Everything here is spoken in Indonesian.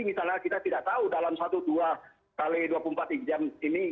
misalnya kita tidak tahu dalam satu dua x dua puluh empat jam ini